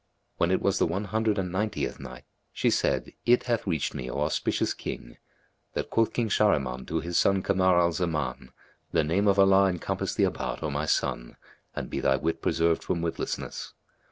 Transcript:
When it was the One Hundred and Ninetieth Night, She said, It hath reached me, O auspicious King, that quoth King Shahriman to his son Kamar al Zaman, "The name of Allah encompass thee about, O my son, and be thy wit preserved from witlessness!